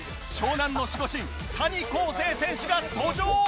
湘南の守護神谷晃生選手が登場！